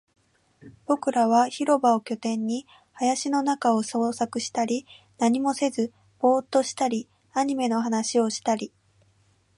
僕らは広場を拠点に、林の中を探索したり、何もせずボーっとしたり、アニメの話をしたり